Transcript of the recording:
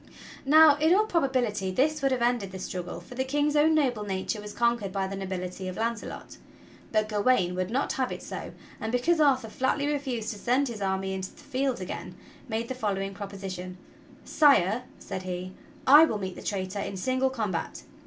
Now in all probability this would have ended the struggle, for the King's own noble nature was conquered by the nobility of Launce lot, but Gawain would not have it so, and, because Arthur flatly refused to send his army into the field again, made the following proposition: "Sire," said he, "I will meet the traitor in single combat.